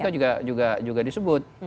kpk juga disebut